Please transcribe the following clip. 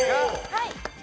はい。